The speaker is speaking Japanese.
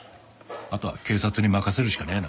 あとは警察に任せるしかねえな。